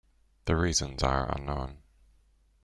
The reasons are unknown.